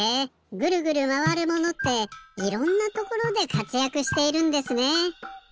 ぐるぐるまわるものっていろんなところでかつやくしているんですね。